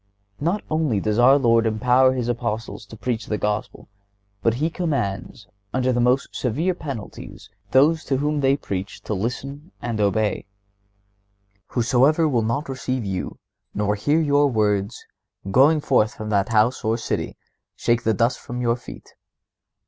Not only does our Lord empower His Apostles to preach the Gospel, but He commands, and under the most severe penalties, those to whom they preach to listen and obey. "Whosoever will not receive you, nor hear your words, going forth from that house or city, shake the dust from your feet.